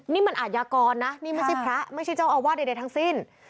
นี่มันอาทยากรนะนี่ไม่ใช่พระไม่ใช่เจ้าอาวาสใดทั้งสิ้น